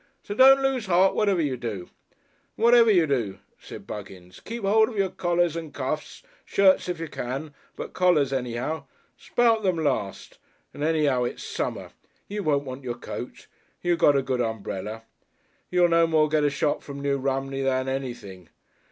So don't lose heart, whatever you do.... "Whatever you do," said Buggins, "keep hold of your collars and cuffs shirts if you can, but collars anyhow. Spout them last. And anyhow, it's summer! you won't want your coat.... You got a good umbrella.... "You'll no more get a shop from New Romney, than anything.